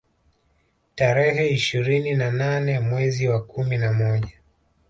Tarehe ishirini na nane mwezi wa kumi na moja